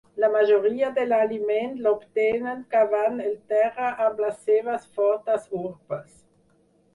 La majoria de l'aliment l'obtenen cavant el terra amb les seves fortes urpes.